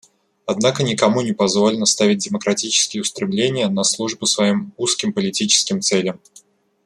Однако никому не позволено ставить демократические устремления на службу своим узким политическим целям.